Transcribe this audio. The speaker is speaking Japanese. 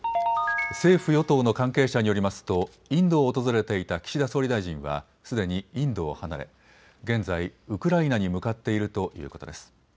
政府与党の関係者によりますとインドを訪れていた岸田総理大臣はすでにインドを離れ現在ウクライナに向かっているということです。